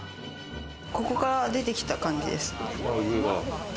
ここから出てきた感じですね。